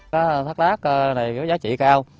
cá thác lát này có giá trị cao